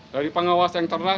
dari pengawas yang ternafas